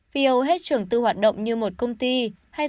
vì hầu hết trường tư hoạt động như một công ty hay doanh nghiệp vì lợi nhuận